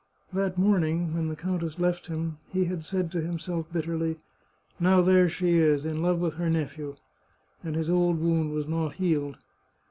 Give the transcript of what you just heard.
That morning, when the countess left him, he had said to himself bitterly, " Now there she is, in love with her nephew !" and his old wound was not healed.